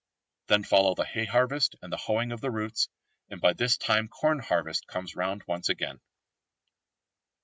Then follow the hay harvest and the hoeing of the roots, and by this time corn harvest comes round once again.